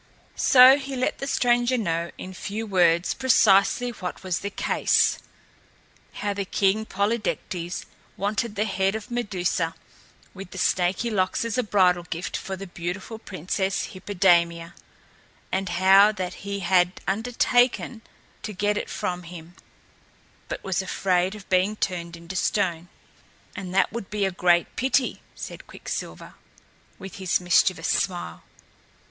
So he let the stranger know in few words precisely what was the case how the King Polydectes wanted the head of Medusa with the snaky locks as a bridal gift for the beautiful Princess Hippodamia and how that he had undertaken to get it for him, but was afraid of being turned into stone. "And that would be a great pity," said Quicksilver, with his mischievous smile.